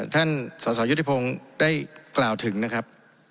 ท่านส่อยุทธิพงได้กล่าวถึงนะครับ